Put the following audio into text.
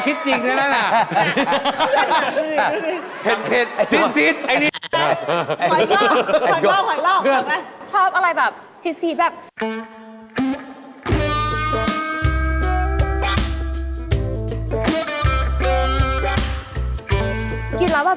ชอบไหมคนที่ชอบอะไรเผ็ด